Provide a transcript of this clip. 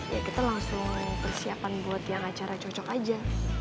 ya kita langsung persiapan buat yang acara cocok aja